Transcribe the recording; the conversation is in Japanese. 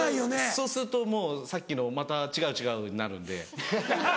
そうするともうさっきのまた「違う違う」になるんで。